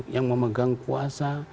yang memegang kuasa